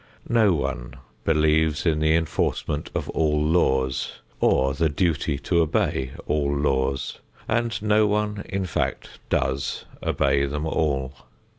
No one believes in the enforcement of all laws or the duty to obey all laws, and no one, in fact, does obey them all.